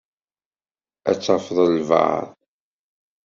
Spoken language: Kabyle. Ad tafeḍ albaɛḍ.